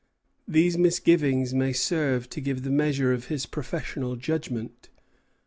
" These misgivings may serve to give the measure of his professional judgment.